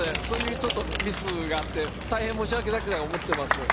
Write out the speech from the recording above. そういうミスがあって大変申し訳なく思っています。